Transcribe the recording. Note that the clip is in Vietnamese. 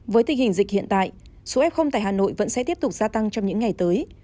với tình hình dịch hiện tại số f tại hà nội vẫn sẽ tiếp tục gia tăng trong những ngày tới